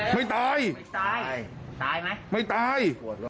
ไม่ตาย